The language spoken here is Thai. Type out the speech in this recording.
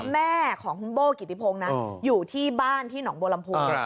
แม่ของคุณโบ้กิติพงนะอยู่ที่บ้านที่หนองโบรัมภูมิ